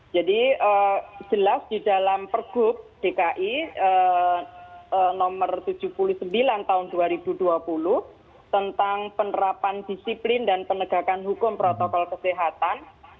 jadi jelas di dalam pergub dki nomor tujuh puluh sembilan tahun dua ribu dua puluh tentang penerapan disiplin dan penegakan hukum protokol kesehatan